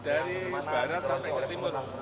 dari barat sampai ke timur